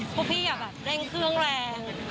พวกพี่เร่งเครื่องแรง